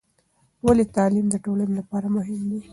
ولې تعلیم د ټولنې لپاره مهم دی؟